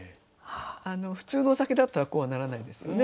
普通のお酒だったらこうはならないですよね。